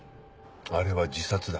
あれは自殺だ。